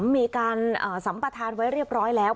มีการสัมปทานไว้เรียบร้อยแล้ว